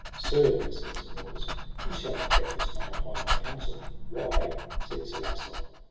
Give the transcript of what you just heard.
Sir, said Sir Bors, ye shall not go this night by my counsel. Why? said Sir Launcelot.